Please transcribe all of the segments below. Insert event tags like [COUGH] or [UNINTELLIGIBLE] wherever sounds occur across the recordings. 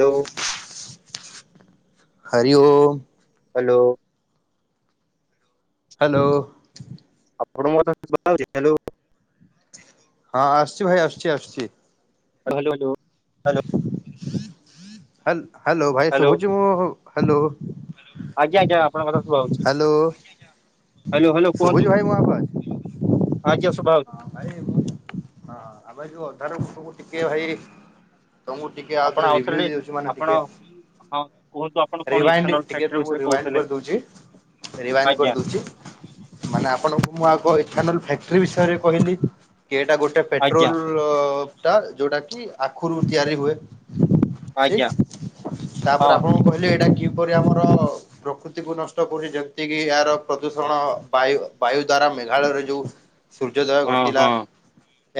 Hello Hari Om. Hello. Hello. ଆପଣ ମତ [UNINTELLIGIBLE] ହଁ ଆସୁଚି ଭାଇ ଆସୁଚି ଆସୁଚି। Hello hello. ହଲ ହ୍ୟାଲୋ ଭାଇ ସୁଭୁଛି ମୁଁ ହ୍ୟାଲୋ। ଆଜ୍ଞା ଆଜ୍ଞା ଆପଣଙ୍କଥା ଶୁଭା ହଉଛି। ହ୍ୟାଲୋ ହ୍ୟାଲୋ ହ୍ୟାଲୋ ଶୁଭୁଛି କୁହନ୍ତୁ ଭାଇ ମୋ ଆବାଜ? ଆଜିସଭା ହେଉଚ। ହଁ ଭାଇ ଆ ଯୋଉ ଅଧାରଟ ଟିକେ ଭାଇ ତ ମୁଁ ଟିକେ ଆଉ ଆପଣ ଥରେ ରିଭିୁ ଆଉଥରେ ଦଉଛି। ମାନେ ଆପଣ ଟିକେ ହଁ କୁହନ୍ତୁ ଆପଣ କଣ ରିଭାଇଣ୍ଡ ଇଥାନଲ ଟିକେ ଫ୍ୟାକ୍ଟ୍ରି ତମକୁ ବିଷୟରେ ରଭାଇଣ୍ଡ କହୁଥିଲେ କରିଦଉଛି। ରିଭାଇଣ୍ଡ କରି ଆଜ୍ଞା ଦଉଛି। ମାନେ ଆପଣଙ୍କୁ ମୁଁ ଆଗ ଇାନଲ ଫ୍ୟାକ୍ଟ୍ରି ବିଷୟରେ କହିଲି। କି ଏଟା ଗୋଟେ ଆଜ୍ଞା ପେଟ୍ରୋଲ ଟା ଯୋଉଟା କି ଆଖୁରୁ ତିଆରି ହୁଏ। ଠିକ ଆଜ୍ଞା ହଁ ତାପରେ ଆପଣଙ୍କୁ କହିଲେ ଏଇଟା କିପରି ଆମର ପ୍ରକୃତିକୁ ନଷ୍ଟ କରୁଛି ଯେମିତି କିି ଏହାର ପ୍ରଦୂଷଣ ବାୟୁ ବାୟୁ ଦ୍ଵାରା ମେଘାଳୟରେ ଯୋଉ ସୂର୍ଯ୍ୟୋଦୟ ହଁ ଘଟିଲା। ହଁ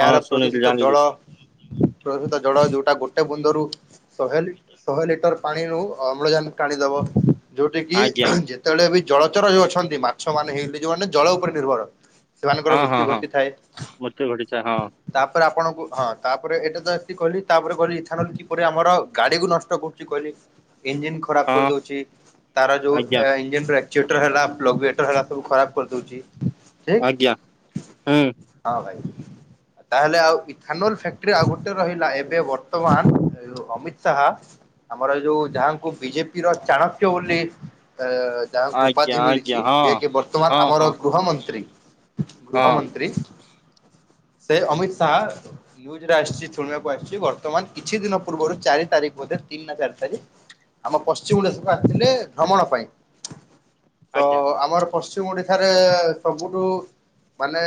ହଁ ଏହାର ଶୁଣିଲି ପ୍ରଦୂଷିତ ଜାଣିଲି ଜଳ ପ୍ରଦୂଷିତ ଜଳ ଯୋଉଟା ଗୋଟେ ବୁନ୍ଦରୁ ଶହେ ଶହେ ଲିଟର ପାଣିରୁ ଅମ୍ଳଜାନ ଟାଣିଦେବ। ଯୋଉଠି କି ଆଜ୍ଞା ଯେତେବେଳେ ବି ଜଳଚର ଯୋଉ ଅଛନ୍ତି ମାଛ ମାନେ ହେଇ ଯୋଉମାନେ ଜଳ ଉପରେ ନିର୍ଭର। ସେମାନଙ୍କର ହଁ ହଁ ମୃତ୍ୟୁ ହଁ ଘଟିଥାଏ। ମୃତ୍ୟୁ ଘଟିଥାଏ ହଁ ତାପରେ ଆପଣଙ୍କୁ ହଁ ତାପ ଏଟା ତ କହିଲି ତାପରେ କହିଲି ଇଛା ନ କି ପରି ଆମର ଗାଡି କୁ ନଷ୍ଟ କରୁ କିପରି ଇଞ୍ଜିନ ଖରାପ ହଁ କରିଦଉଛି ତାର ଯୋଉ ଆଜ୍ଞା ଏ ଆଇ ଯେନ୍ ଫ୍ରାକ୍ଚୁଏଟର ହେଲା ଲଗୁଏଟର ହେଲା ସବୁ ଖରାପ କରିଦେଉଛି [UNINTELLIGIBLE] ଆଜ୍ଞା ଠିକ ହୁଁ ହଁ ଭାଇ ତାହେଲେ ଆଉ ଖାନୋଲ ଫ୍ୟାକ୍ଟ୍ରି ଆଉ ଗୋଟେ ରହିଲା ଏବେ ବର୍ତ୍ତମାନ ଅମିତ ଶାହା ଆମର ଯୋଉ ଯାହାଙ୍କୁ ବିଜେପି ର ଚାଣକ୍ୟ ବୋଲି ଅ ଯାହାଙ୍କୁ ଆଜ୍ଞା ଉପାଧି ଆଜ୍ଞା ମିଳିଛି ହଁ ଯିଏକି ହଁ ବର୍ତ୍ତମାନ ହଁ ଆମର ଗୃହ ମନ୍ତ୍ରୀ। ହଁ ଗୃହମନ୍ତ୍ରୀ ସେ ଅମିତ ଶାହା। ନ୍ୟୁଜରେ ଆସିଛି ଶୁଣିବାକୁ ଆସିଛି ବର୍ତ୍ତମାନ କିଛି ଦିନ ପୂର୍ବରୁ ଚାରି ତାରିଖ ବୋଧେ ତିନି ନା ଚାରି ତାରିଖ। ଆମ ପଶ୍ଚିମ ଓଡିଶାକୁ ଆସିଥିଲେ ଭ୍ରମଣ ପାଇଁ। ତ ଆଜ୍ଞା ଆମର ପଶ୍ଚିମ ଓଡିଶାରେ ସବୁଠୁ ମାନେ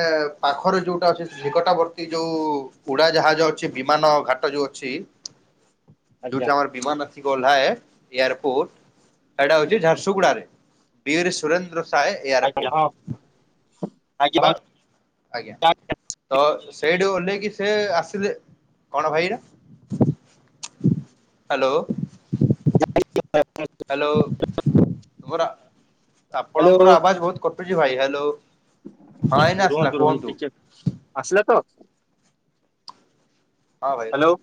ପାଖରେ ଯଉଟା ଅଛି ସେଇକଟାଭର୍ତ୍ତୀ ଯଉ ଉଡା ଯାହାଜ ଅଛି ବିମାନ ଘାଟ ଯୋଉ ଅଛି। ଆଜ୍ଞା ଯୋଉଠି ଆମର ବିମାନ ଆସି ଓହ୍ଲାଏ ଏୟାରପୋର୍ଟ ସେଇଟା ହଉଛି ଝାରସୁ ଝାରସୁଗୁଡ଼ାରେ ବିଏରେ ସୁରେନ୍ଦ୍ର ଶାହେ ଆଜ୍ଞା ହଁ ଏୟାରପୋର୍ଟ ଆଜ୍ଞା ବା ଆଜ୍ଞା। ହଁ ତ ସେଇଠି ଓହ୍ଲେଇକି ସେ ଆସିଲେ କଣ ଭାଇ ନା? ହ୍ୟାଲୋ। ହ୍ୟାଲୋ ତମର ହ୍ୟାଲୋ ଆପଣଙ୍କର ଆବାଜ ବହୁତ କଟୁଛି ଭାଇ ହ୍ୟାଲୋ। ହଁ ଏଇନା ଆସିଲା ରୁହନ୍ତୁ ରୁହନ୍ତୁ କୁହନ୍ତୁ। ଟିକେ ଆସିଲା ତ। ହଁ ଭାଇ ହ୍ୟାଲୋ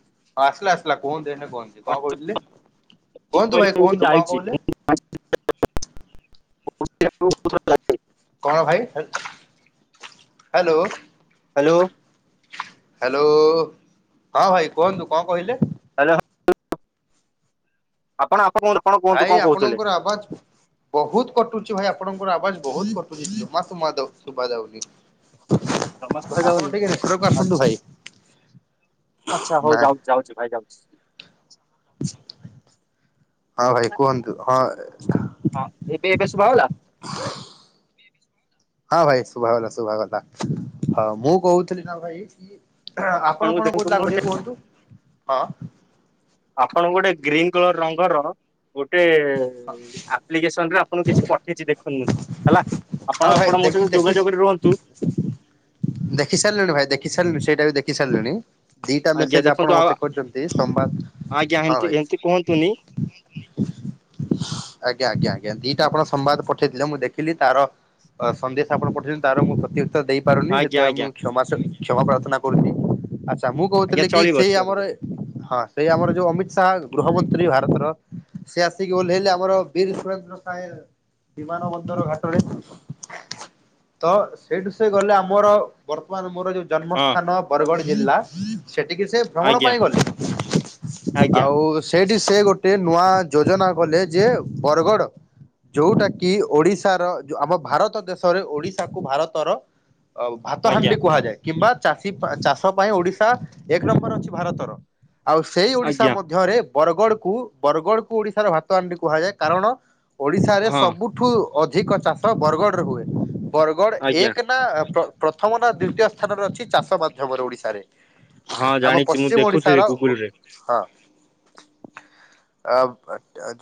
ଆସିଲା ଆସିଲା କୁହନ୍ତୁ ଏଇନେ କୁହନ୍ତୁ। କଣ କହୁଥିଲେ କୁହନ୍ତୁ ଭାଇ କୁହନ୍ତୁ କଣ କହୁଥିଲେ? ଆଛା। ଲାଗ [INAUDIBLE] କଣ ଭାଇ ହ୍ୟାଲୋ। ହ୍ୟାଲୋ। ହ୍ୟାଲୋ ହଁ ଭାଇ କୁହନ୍ତୁ, କଣ କହିଲେ? ହ୍ୟାଲୋ। ଆପଣ ଆପଣ ଆପଣ କୁହନ୍ତୁ କଣ ଭାଇ କହୁଥିଲେ? ଆପଣଙ୍କର ଆବାଜ ବହୁତ କଟୁଛି ଭାଇ ଆପଣଙ୍କର ଆବାଜ ବହୁତ କଟୁଛି, ଜମା ସୁମା ଶୁଭା ଯାଉନି। ଜମା ଶୁଭା ଆପଣ ଯାଉନି, ଟିକେ ନେଟୱାର୍କକୁ ଆସନ୍ତୁ ଆଛା ଭାଇ ଆଛା ହଉ ନା ଯାଉଛି ଯାଉଛି ଭାଇ ଯାଉଛି। ହଁ ଭାଇ କୁହନ୍ତୁ ହଁ। ହଁ ଏବେ ଏବେ ଶୁଭାଗଲା? ହ [INAUDIBLE] ହଁ ଭାଇ ଶୁଭାଗଲା ଶୁଭାଗଲା, ହଁ- ମୁଁ କହୁଥିଲି ନା ଭାଇ କି ଆପଣ ଆପଣଙ୍କୁ କଣ ଦେଖନ୍ତୁ କହୁଥିଲେ ଆଗ ଟିକେ କୁହନ୍ତୁ? ହଁ। ଆପଣ ଗୋଟେ ଗ୍ରୀନ କଲର ରଙ୍ଗର ଗୋଟେ ଆପ୍ଲିକେଶନରେ ଆପଣଙ୍କୁ କିଛି ପଠେଇଛି ଦେଖୁନ୍ତୁ ହେଲା, ହଁ ଆପଣ ଭାଇ ଆପଣ ମୋ ଦେଖି ସହ ଦେଖି ଯୋଗାଯୋଗରେ ରୁହନ୍ତୁ। ଦେଖି ସାରିଲିଣି ଭାଇ ଦେଖି ସାରିଲିଣି, ସେଇଟା ବି ଦେଖି ସାରିଲିଣି। ଦିଟା ଆଜ୍ଞା ମେସେଜ ଆପଣ ଦେଖନ୍ତୁ ଆଉ ମତେ କରିଛନ୍ତି, ସମ୍ବାଦ ଆଜ୍ଞା ହଁ ଏମତି ଭାଇ। ଏମତି କୁହନ୍ତୁନି ଆଜ୍ଞା ଆଜ୍ଞା ଆଜ୍ଞା ଦିଟା ଆପଣ ସମ୍ବାଦ ପଠେଇଥିଲେ, ମୁଁ ଦେଖିଲି ତାର ଅ ସନ୍ଦେଶ ଆପଣ ପଠେଇଛନ୍ତି, ତାର ମୁଁ ପ୍ରତି ଉତ୍ତର ଦେଇପାରୁନି। ସେ ଆଜ୍ଞା ଆଜ୍ଞା କ୍ଷମା କ୍ଷମା ପ୍ରାର୍ଥନା କରୁଛି, ଆଚ୍ଛା ମୁଁ ଆଜ୍ଞା କହୁଥିଲି କି ଚଳିବ ସେଇ ଚଳିବ ଆମର ହଁ ସେଇ ଆମର ଯୋଉ ଅମିତ୍ ଶାହା ଗୃହମନ୍ତ୍ରୀ ଭାରତର। ସେ ଆସିକି ଓହ୍ଲେଇଲେ, ଆମର ବୀର ସୁରେନ୍ଦ୍ର ସାଏ ବିମାନ ବନ୍ଦର ଘାଟରେ, ତ ସେଇଠୁ ସେ ଗଲେ ଆମର ବର୍ତ୍ତମାନ ମୋର ଯୋଉ ହଁ। ଜନ୍ମସ୍ଥାନ ବରଗଡ ଜିଲ୍ଲା, ସେଠିକି ସେ ଭ୍ରମଣ ଆଜ୍ଞା ପାଇଁ ଗଲେ। ଆଜ୍ଞା ଆଉ ସେଇଠି ସେ ଗୋଟେ ନୂଆ ଯୋଜନା କଲେ, ଯେ ବରଗଡ଼ ଯୋଉଟା କିି ଓଡିଶାର, ଯୋଉ ଆମ ଭାରତ ଦେଶରେ ଓଡିଶାକୁୁ ଭାରତର ଅ ଭାତ ଆଜ୍ଞା ହାଣ୍ଡି କୁହାଯାଏ, କିମ୍ବା ଚାଷୀ ଚାଷ ପାଇଁ ଓଡିଶା ଏକ ନମ୍ବର ଅଛି ଭାରତର। ଆଉ ସେଇ ଓଡିଶା ଆଜ୍ଞା ମଧ୍ୟରେ, ବରଗଡ କୁ ବରଗଡ କୁ ଓଡିଶାର ଭାତ ଭାତ ହାଣ୍ଡି କୁହାଯାଏ। କାରଣ ଓଡିଶାରେ ହଁ ସବୁଠୁ ଅଧିକ ଚାଷ ବରଗଡରେ ହୁଏ। ବରଗଡ଼ ଆଜ୍ଞା ଏକ ନା ପ୍ର -ପ୍ରଥମ ନା ଦ୍ଵିତୀୟ ସ୍ଥାନରେ ଅଛି ଚାଷ ମାଧ୍ୟମରେ ଓଡ଼ିଶାରେ। ହଁ ଆମ ଜାଣିଛି ମୁଁ ପଶ୍ଚିମ ଓଡିଶାର ଦେଖୁଥିଲି ହଁ ଗୁଗୁଲ ରେ ଆ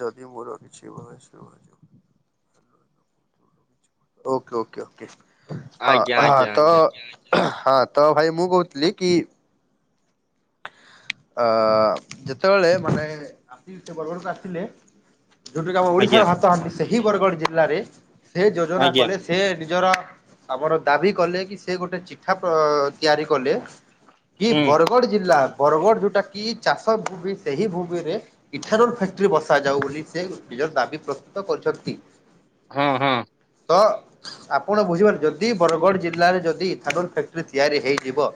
ଯଦି ମୋର ଭଏସ୍ [UNINTELLIGIBLE] ଓକେ ଓକେ ଓକେ ଆଜ୍ଞା ହଁ- ହଁ ଆଜ୍ଞା ତ ଆଜ୍ଞା ହଁ ତ ଭାଇ ମୁଁ କହୁଥିଲି କି ଅ ଯେତେବେଳେ ମାନେ ଯୋଉଠି କି ଆମ ଓଡିଶାର ଆଜ୍ଞା ଭାତ ହାଣ୍ଡି, ସେହି ବରଗଡ଼ ଜିଲ୍ଲାରେ ସେ ଯୋଜନା ଆଜ୍ଞା କଲେ ସେ ନିଜର ଆମର ଦାବି କଲେ କି ସେ ଗୋଟେ ଚିଠା ତିଆରି କଲେ, କି ହୁଁ ବର ଗଡ଼ ଜିଲ୍ଲା ବରଗଡ଼ ଯୋଉଟା କି ଚାଷ ଭୂମି, ସେହି ଭୂମିରେ ଇଠାରୁଲ ଫ୍ୟାକ୍ଟ୍ରି ବସାଯାଉ ବୋଲି ସେ ନିଜର ଦାବି ପ୍ରସ୍ତୁତ କରିଛନ୍ତି। ହଁ- ହଁ। ତ ଆପଣ ବୁଝିପାରୁଥିବେ, ଯଦି ବରଗଡ ଜିଲ୍ଲାରେ ଯଦି ଧାନର ଫ୍ୟାକ୍ଟ୍ରି ତିଆରି ହେଇଯିବ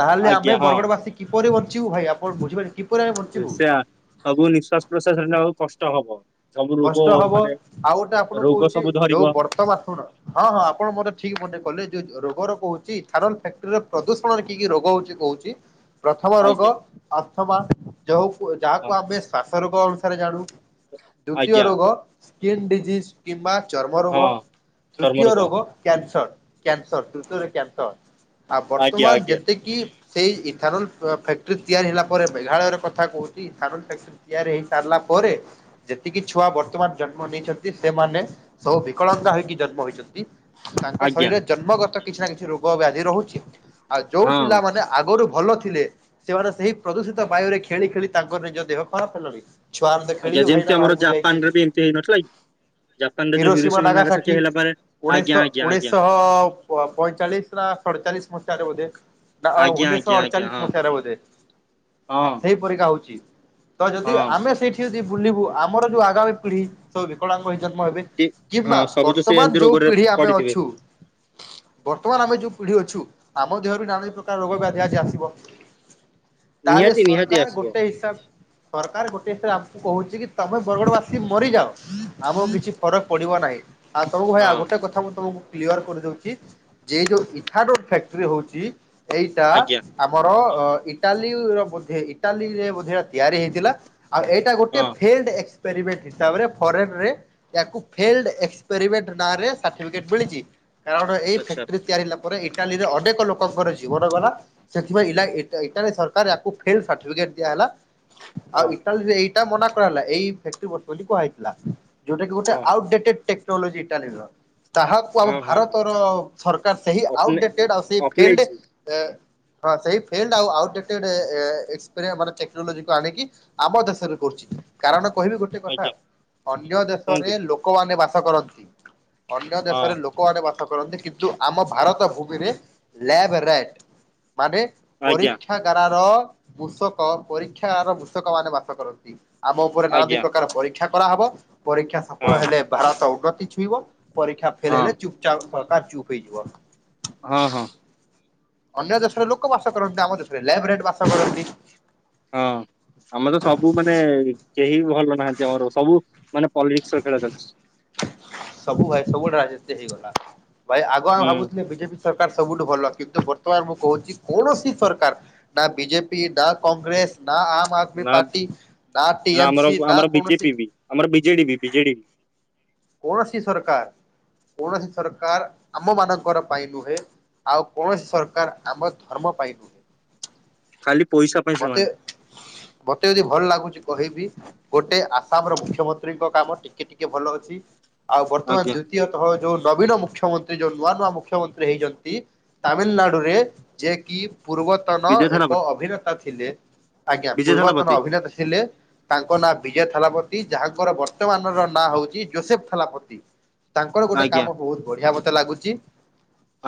ତାହେଲେ ଆମେ ଆଜ୍ଞା ବରଗଡ ହଁ ବାସୀ କିପରି ବଞ୍ଚିବୁ ଭାଇ, ଆପଣ ବୁଝିପାରିଲେ କିପରି ଆମେ ବଞ୍ଚିବୁ? [UNINTELLIGIBLE] ସବୁ ନିଶ୍ୱାସ ପ୍ରଶ୍ୱାସ ନେଲାବେଳକୁ କଷ୍ଟ ହବ। ସବୁ ରୋଗ କଷ୍ଟ ହବ ଆଉ ମାନେ ଗୋଟେ ଆପଣଙ୍କୁ ରୋଗ କହୁଛି, ସବୁ ଧରିବ ଯୋଉ [UNINTELLIGIBLE] ହଁ -ହଁ ଆପଣ ମୋତେ ଠିକ ମନେ କଲେ ଯୋଉ ରୋଗ ର କହୁଛି, ଥାରଲ ଫ୍ୟାକ୍ଟ୍ରି ର ପ୍ରଦୂଷଣରେ କିଏ କି ରୋଗ ହଉଛି କହୁଛି? କି ପ୍ରଥମ ରୋଗ ଆଜ୍ଞା ଆସ୍ଥମା, ଯୋଉ ହଁ ଯାହାକୁ ଆମେ ଶ୍ଵାସ ରୋଗ ଅନୁସାରେ ଜାଣୁ। ଦ୍ୱିତୀୟ ଆଜ୍ଞା ରୋଗ ସ୍କିନ୍ ଡିଜିିଜ, କିମ୍ବା ଚର୍ମ ହଁ ରୋଗ। ତୃତୀୟ ରୋଗ କ୍ୟାନସର୍ କ୍ୟାନସର୍ ତୃତୀୟରେ କ୍ୟାନସର୍, ଆଉ ଆଜ୍ଞା ବର୍ତ୍ତମାନ ଆଜ୍ଞା ଯେତିକି ସେଇ ଇଥାନୋଲ ଫ୍ୟାକ୍ଟ୍ରି ତିଆରି ହେଲା ପରେ ମେଘାଳୟରେ କଥା କହୁଛି ଇଥାନୋଲ ଫ୍ୟାକ୍ଟ୍ରି ରେ ହେଇ ସାରିଲା ପରେ ଯେତିକି ଛୁଆ ବର୍ତ୍ତମାନ ଜନ୍ମ ନେଇଛନ୍ତି ସେମାନେ ସବୁ ବିକଳଙ୍ଗା ହେଇକି ଜନ୍ମ ହେଇଛନ୍ତି ତାଙ୍କ ଆଜ୍ଞା ଶରୀରରେ ଜନ୍ମଗତ କିଛି ନା କିଛି ରୋଗ ବ୍ୟାଧି ରହୁଛି ଆଉ ଯୋଉ ହଁ ପିଲାମାନେ ଆଗରୁ ଭଲ ଥିଲେ ସେମାନେ ସେହି ପ୍ରଦୂଷିତ ବାୟୁରେ ଖେଳି ଖେଳି ତାଙ୍କର ନିଜ ଦେହ ଖରାପ ହେଲାଣି ଛୁଆମାନେ ତ ଆଜ୍ଞା ଖେଳିବେ ଭାଇ ଯେମିତି ଆମର ଜାପାନରେ ବି ଏମତି ହେଇନଥିଲା କି ଜାପାନ ରେ ହିରୋ ଯୋଉ ସୀମା ହିରୋସୀମା ନାଗାସାକି ହେଲା ପରେ ଆଜ୍ଞା ଉଣେଇଶଶ ଆଜ୍ଞା ଆଜ୍ଞା ଉଣେଇଶଶହ ପଇଁଚାଳିଶ ସଡ଼ଚାଳିଶ ମସିହାରେ ବୋଧେ ଆଜ୍ଞା ଆଜ୍ଞା ଉଣେଇଶିଶହ ଆଜ୍ଞା ଅଡଚାଳିଶ ହଁ ମସିହାରେ ବୋଧେ ହଁ କି ପରିକା ହଉଛି ତ ଯଦି ହଁ ଆମେ ସେଇଠି ଯଦି ବୁଲିବୁ ଆମର ଯୋଉ ଆଗାମୀ ପିଢ଼ି ସବୁ ବିକଳାଙ୍କ ହୋଇ ଜନ୍ମ ହେବେ କି କିମ୍ବା ହଁ ସବୁ ତ ସେ ବର୍ତ୍ତମାନ ଏମିତି ଯୋଉ ରୋଗରେ ପିଢି ଆମେ ପଡିଥିବେ ଅଛୁ ବର୍ତ୍ତମାନ ଆମେ ଯୋଉ ପିଢି ଅଛୁ ଆମ ଦେହରୁ ନାନା ପ୍ରକାର ରୋଗ ବ୍ୟାଧି ଆଜି ଆସିବ ତାହେଲେ ନିହାତି ନିହାତି ସରକାର ଆସିବ ଗୋଟେ ହିସାବ ସରକାର ଗୋଟେ ହିସାବ ଆମକୁ କହୁଛି କି ତମେ ବରଗଡ ବାସି ମରିଯାଅ ଆମକୁ କିଛି ଫରକ ପଡିବ ନାହିଁ ଆଉ ତମକୁ ଭାଇ ଆଉ ହଁ ଗୋଟେ କଥା ମୁଁ ତମକୁ କ୍ଲିୟର କରିଦଉଛି ଯେ ଯୋଉ ଇଠାନଲ ଫ୍ୟାକ୍ଟ୍ରି ହଉଛି ଏଇଟା ଆଜ୍ଞା ଆମର ଇଟାଲୀ ର ମଧ୍ୟ ଇଟାଲୀରେ ମଧ୍ୟ ତିଆରି ହେଇଥିଲା ଆଉ ଏଇଟା ଗୋଟେ ହଁ ଫଲ୍ଡ ଏକ୍ସପେରିମେଣ୍ଟ ହିସାବରେ ଫରେନ ରେ ଏହାକୁ ଫେଲ୍ଡ ଏକ୍ରିମେଣ୍ଟଁରେ ସାର୍ଟିଫିକେଟ ମିଳିଛି କାରଣ ଏଇ ଆଚ୍ଛା ଫକ୍ଟି ତିଆରି ପରେ ଇଟାଲୀରେ ଅନେକ ଲୋକଙ୍କର ଜୀବନ ଗଲା ସେଥିପାଇଁଇଟା ସର ଫ ସ ଦିଆ ହେଲା ଆଉ ହଁ ଇଟା ଏଇଟା ମନା କରାହଲା ଏଇ ଫଟ ବ ବୋଲି କୁହା ହେଇଥିଲା ଯୋଉଟା କି ଗୋଟେ ହଁ ଆଉଟଡେଟେଡ ଟେକ୍ନୋଲୋଜି ଇଟାୀର ତାହାକୁ ଆମ ହଁ ହଁ ହଁ ଭାରତର ସରକାର ସେହି ଅପନେ ଆଉଟଡଟେଡ ଆ ସେଇ ଫିଲ୍ଡ ଅପନେଇଛି ହଁ ସେଇ ଫିଲ୍ଡ ଆଉ ଆଉଟ୍େ ଏପରି ମାନେ ଟେକ୍ନୋଲୋଜିକୁ ଆଣିକି ଆମ ଦେଶରେ କରୁଛି କାରଣ କହିବି ଗୋଟେ କଥା ଆଜ୍ଞା ଅନ୍ୟ କୁହନ୍ତୁ ଦେଶରେ ଲୋକମାନେ ବାସ କରନ୍ତି କ ହଁ ଦେଶରେ ଲୋକ ଲୋକମାନେ ବାସ କରନ୍ତି କିନ୍ତୁ ଆମ ଭାରତ ଭୂମିରେ ଲ ମାନେ ଆଜ୍ଞା ପରୀକ୍ଷାଗାର ର ବୃଷକ ପରୀକ୍ଷାଗାର ର କୃଷକ ମାନେ ବାସ କରନ୍ତି ଆମ ଉପରେ ନ ଦିଇ ଆଜ୍ଞା ପ୍ରକାର ପରୀକ୍ଷା କରାହବ ପରୀକ୍ଷା ସଫଳ ହଁ ହେଲେ ଭାରତ ଉନ୍ନତି ଛୁଇଁବ ପରୀକ୍ଷା ଫେଲ ହଁ ହେଲେ ଚୁପ୍ ଚାପ ପ୍ରକାର ଚୁପ୍ ହେଇଯିବ ହଁ ହଁ ଅନ୍ୟ ଦେଶରେ ଲୋକ ବାସ କରନ୍ତି ଆମ ଦେଶରେ ଲାବ ବାସ କରନ୍ତି ହଁ ଆମେ ତ ସବୁ ମାନେ କେହି ଭଲ ନାହାନ୍ତି ଆମର ସବୁ ମାନେ ପଲିିକସଟା ଅଲିଛି ସବୁ ଭାଇ ସବୁ ଗଡେ ରାଜନୀତି ହେଇଗଲା ଭାଇ ଆଗ ଆମେ ହୁଁ ଭାବୁଥିଲେ ବିଜେପି ସରକାର ସବୁଠୁ ଭଲ କିନ୍ତୁ ବର୍ତ୍ତମାନ ମୁଁ କହୁଛି କୌଣସି ସରକାର ନା ବିିଜେ ପି ନା କଂଗ୍ରେସ ନା ଆମ ଆଦମି ନା ପାର୍ଟି ନା ଆମର ଟିଏମସି ନା ଆମର ବିଜେପି କୌଣସି ବି ଆମର ବିଜେଡି ବିଜେଡି ବି କୌଣସି ସରକାର କୌଣସି ସରକାର ଆମ ମାନଙ୍କର ପାଇଁ ନୁହେଁ ଆଉ କୌଣସି ସରକାର ଆମ ଧର୍ମ ପାଇବୁ ଖାଲି ପଇସା ପାଇଁ ମତେ ସେମାନେ ମତେ ଯଦି ଭଲ ଲାଗୁଛି କହିବି ଗୋଟେ ଆସାମ ର ମୁଖ୍ୟମନ୍ତ୍ରୀଙ୍କ କାମ ଟିକେ ଟିକେ ଭଲ ଅଛି ଆଉ ବର୍ତ୍ତମାନ ଆଜ୍ଞା ଦ୍ଵିତୀୟ ଯୋଉ ନବୀନ ମୁଖ୍ୟମନ୍ତ୍ରୀ ଯୋଉ ନୂଆ ନୂଆ ମୁଖ୍ୟମନ୍ତ୍ରୀ ହେଇଛନ୍ତି ତାମିଲନାଡ଼ୁରେ ଯଏ କିି ପୂର୍ବ ପୂର୍ତନ ବିଜୟ ଏକ ଥାଲାପତି ଅଭିନେତା ଥିଲେ ଆଜ୍ଞା ବିଜୟ ଥାଲାପତି ପୂର୍ବତନ ଅଭିନେତା ଥିଲେ ତାଙ୍କ ନାଁ ବିଜୟ ଥାଲାପତି ଯାହାଙ୍କର ବର୍ତ୍ତମାନର ନାଁ ହଉଛି ଜୋସେଫ ଥାଲାପତି ତାଙ୍କର ଗୋଟେ ଆଜ୍ଞା କାମ ବହୁତ ବଢିଆ ମତେ ଲାଗୁଛି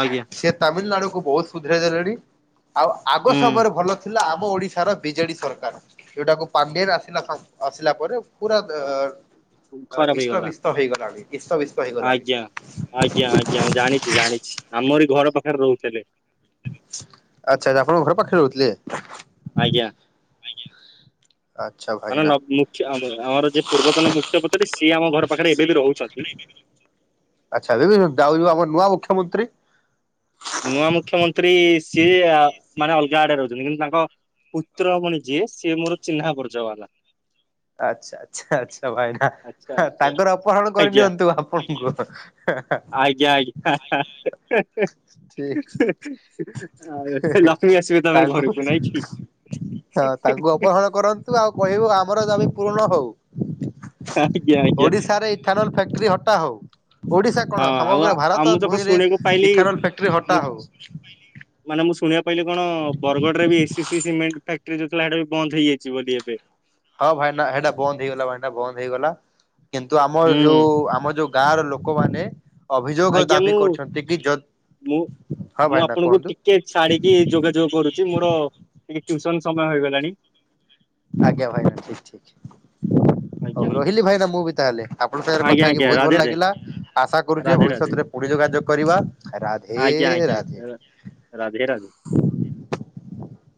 ଆଜ୍ଞା ସେ ତାମିଲନାଡୁ କୁ ବହୁତ ସୁଧରାଇ ଦେଲେଣି ଆଉ ଆଗ ହୁଁ। ସମୟରେ ଭଲ ଥିଲା ଆମ ଓଡିଶାର ବିଜେଡି ସରକାର ଏଉଟାକୁ ପାଡିର ଆସିଲା ଆସିଲା ପରେ ପୁରା ଅ ଖରାପ ଇଷ୍ଟ ହେଇଗଲା ବିଷ୍ଟ ହେଇଗଲାଣି ଇଷ୍ଟ ବିସ୍ତ ହେଇଗଲାଣି ଆଜ୍ଞା। ଆଜ୍ଞା ଆଜ୍ଞା ଜାଣିଛି ଜାଣିଛି ଆମରି ଘର ପାଖରେ ରହୁଥିଲେ ଆଚ୍ଛା ଆଛା ଆପଣଙ୍କ ଘର ପାଖରେ ରହୁଥିଲେ ଆଜ୍ଞା ଆଚଛା ମାନେ ମୁଖ୍ୟ ଆମର ଯ ପୂର୍ବତନ ମୁଖ୍ୟ ପ ସିଏ ଆମ ଘର ପାଖରେ ଏବେ ବି ରହୁଛନ୍ତି ଆଚ୍ଛା ଦଦି ଯାଉ ଯିବ ଆମର ନୂଆ ମୁଖ୍ୟମନ୍ତ୍ରୀ ନୂଆ ମୁଖ୍ୟମନ୍ତ୍ରୀ ସିଏ ମାନେ ଅଲଗା ଆଡେ ରହୁଛନ୍ତି କିନ୍ତୁ ତାଙ୍କ ପୁତ୍ରମଣି ଯିଏ ସିଏ ମୋର ଚିହ୍ନା ବର୍ଜ ହେଲା ଆଚ୍ଛା ଆଚ୍ଛା ଆଚ୍ଛା ଭାଇନା ଆଚ୍ଛା ଆଚ୍ଛା ତାଙ୍କର ଅପହରଣ ଆଜ୍ଞା। କରିନିଅନ୍ତୁ ଆପଣଙ୍କୁ ୟା ଠିକ ଆଉ ଲକ୍ଷ୍ମୀ ଆସିବେ ତମର ଘରକୁ ନାଇଁ କି। ହଁ ତାଙ୍କୁ ଅପହରଣ କରନ୍ତୁ ଆଉ କହିବୁ ଆମର ଜମି ପୂରଣ ହଉ ଆଜ୍ଞା ଆଜ୍ଞା ଓଡିଶାରେ ଖାରଲ୍ ଫ୍ୟାକ୍ଟ୍ରି ହଟା ହଉ ଓଡିଶା କଣ ହଁ ଆଉ ସମଗ୍ର ଆ- ଆଉ ଭାରତ ମୁଁ ତ କଣ ଭୂଇଁରେ ଶୁଣିବାକୁ ପାଇଲି ଖାରଲ୍ ଫ୍ୟାକ୍ଟ୍ରି ହଟା ହଉ। ମାନେ ମୁଁ ଶୁଣିବା ପାଇଲିି କଣ ବରଗଡରେ ବି A C C cement factory ଯୋଉଥିଲା ସେଟା ବି ବନ୍ଦ ହେଇଯାଇଛି ବୋଲି ଏବେ। ହଁ ଭାଇନା ସେଇଟା ବନ୍ଦ ହେଇଗଲା ଭାଇନା ବନ୍ଦ ହେଇଗଲା କିନ୍ତୁ ଆମ ହୁଁ। ଯୋଉ ଆମ ଯୋଉ ଗାଁର ଲୋକମାନେ ଅଭିଯୋଗ ଆଜ୍ଞା ମୁଁ ଦାବି କରୁଛନ୍ତି କି ଯ ମୁଁ ହଁ ମୁଁ ଭାଇନା ଆପଣଙ୍କୁ କୁହନ୍ତୁ। ଟିକେ ଛାଡିକି ଯୋଗାଯୋଗ କରୁ ମୋର ଟିକେ ଟ୍ୟୁସନ ସମୟ ହେଇଗଲାଣି। ଆଜ୍ଞା ଭାଇ ଠିକ୍ ଠିକ୍। ହଉ ଆଜ୍ଞା ଆଜ୍ଞା। ରହିଲି ଭାଇନା ମୁଁ ବି ତାହେଲେ ଆପଣଙ୍କ ସାଙ୍ଗରେ ଆଜ୍ଞା କଥା ହେଇକି ଆଜ୍ଞା ବହୁତ ରାଧେ ଭଲ ରାଧେ ଲାଗିଲା ଆଶା କରୁଛେ ରାଧେ ରାଧେ ଭବିଷ୍ୟତରେ କୋଉଠି ଯୋଗାଯୋଗ କରିବା ରାଧେ ଆଜ୍ଞା ଆଜ୍ଞା ଆଜ୍ଞା ରାଧେ। ରାଧେ ରାଧେ।